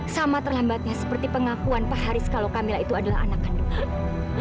sama terlambatnya seperti pengakuan pak haris kalau kamila itu adalah anak kandungan